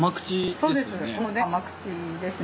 そうです。